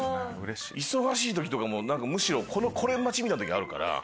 忙しい時とかむしろこれ待ちみたいな時あるから。